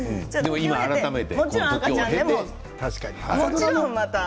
今、改めて時を経て。